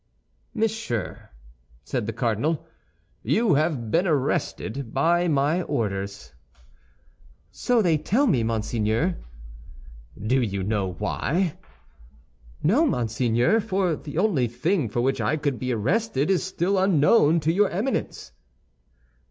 "Monsieur," said the cardinal, "you have been arrested by my orders." "So they tell me, monseigneur." "Do you know why?" "No, monseigneur, for the only thing for which I could be arrested is still unknown to your Eminence."